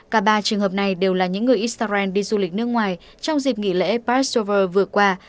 cả ba trường hợp này đều là những người israel đi du lịch nước ngoài trong dịp nghỉ lễ pasteur vừa qua